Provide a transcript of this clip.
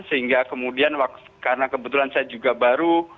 sehingga kemudian karena kebetulan saya juga baru